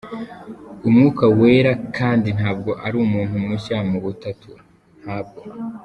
Umwuka Wera kandi ntabwo ari umuntu mushya mu butatu, ntabwo.